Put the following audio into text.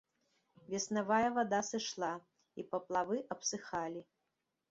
Веснавая вада сышла, і паплавы абсыхалі.